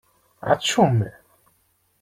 Ɛačum!